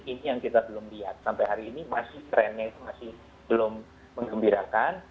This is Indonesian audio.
ini yang kita belum lihat sampai hari ini masih trennya itu masih belum mengembirakan